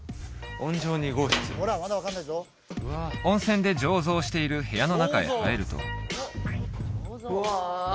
「温醸２号室」温泉で醸造している部屋の中へ入るとうわ